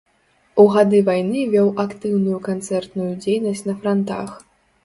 У гады вайны вёў актыўную канцэртную дзейнасць на франтах.